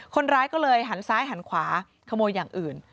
คนร้ายก็เลยหันซ้ายหันขวาขโมยอย่างอื่น